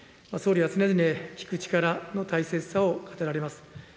総理は常々聞く力の大切さを語られます。